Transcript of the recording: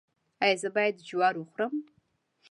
ایا زه باید جوار وخورم؟